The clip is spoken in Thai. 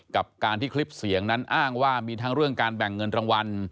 กับการที่คลิปเสียงนั้นอ้างว่ามีทั้งเรื่องการแบ่งเงินรางวัล